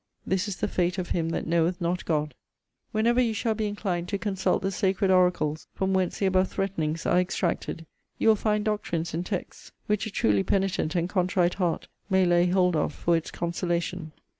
This is the fate of him that knoweth not God.' Whenever you shall be inclined to consult the sacred oracles from whence the above threatenings are extracted, you will find doctrines and texts which a truly penitent and contrite heart may lay hold of for its consolation.